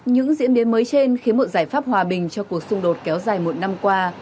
những diễn biến mới trên khiến một giải pháp hòa bình cho cuộc xung đột kéo dài một năm qua càng trở nên xa vời